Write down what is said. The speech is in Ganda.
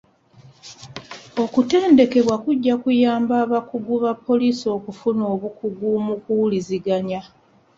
Okutendekebwa kujja kuyamba abakungu ba bapoliisi okufuna obukugu mu kuwuliziganya.